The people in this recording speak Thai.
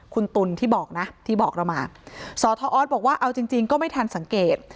คุณตุ๋นที่บอกนะที่บอกเรามาสอทออสบอกว่าเอาจริงจริงก็ไม่ทันสังเกต